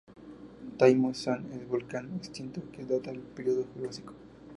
Tai Mo Shan es volcán extinto que data del periodo Jurásico.